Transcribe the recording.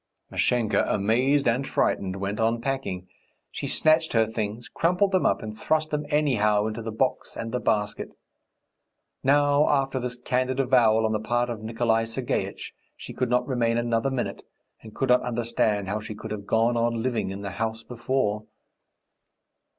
Mashenka, amazed and frightened, went on packing; she snatched her things, crumpled them up, and thrust them anyhow into the box and the basket. Now, after this candid avowal on the part of Nikolay Sergeitch, she could not remain another minute, and could not understand how she could have gone on living in the house before.